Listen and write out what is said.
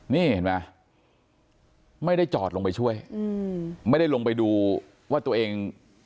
นี่เห็นไหมไม่ได้จอดลงไปช่วยไม่ได้ลงไปดูว่าตัวเอง